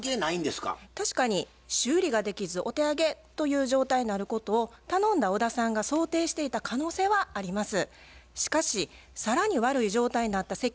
確かに修理ができずお手上げという状態になることを頼んだ小田さんが想定していた可能性はあります。